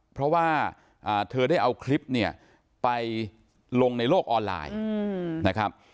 เพราะว่าเธอได้เอาคลิปเนี่ยไปลงในโลกออนไลน์นะครับ